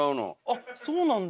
あっそうなんだ。